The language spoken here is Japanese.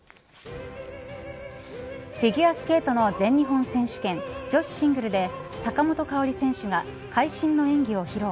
フィギュアスケートの全日本選手権女子シングルで坂本花織選手が会心の演技を披露。